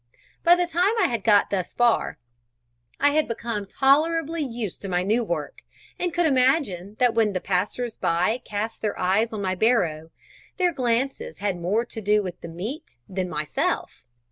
By the time I had got thus far, I had become tolerably used to my new work, and could imagine that when the passers by cast their eyes on my barrow, their glances had more to do with the meat than with myself.